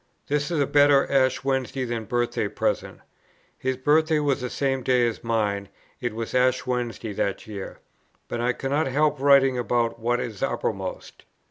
This is a better Ash Wednesday than birthday present;" [his birthday was the same day as mine; it was Ash Wednesday that year;] "but I cannot help writing about what is uppermost.